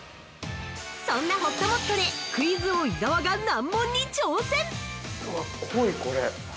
そんな、ほっともっとでクイズ王・伊沢が難問に挑戦！